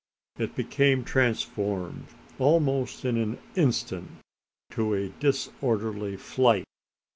It became transformed, almost in an instant, to a disorderly flight.